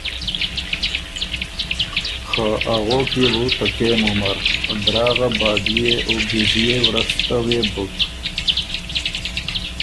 خه اغوک يې بو ته کېم عمر۔ دراغه باډيې او ګیژيے ورشته وې بُک۔